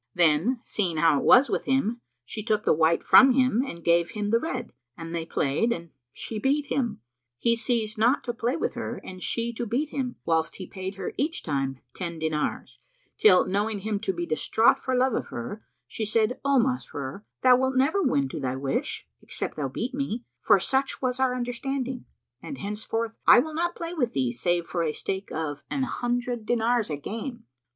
Then, seeing how it was with him, she took the white from him and gave him the red, and they played and she beat him. He ceased not to play with her and she to beat him, whilst he paid her each time ten dinars, till, knowing him to be distraught for love of her, she said, "O Masrur, thou wilt never win to thy wish, except thou beat me, for such was our understanding; and henceforth, I will not play with thee save for a stake of an hundred dinars a game."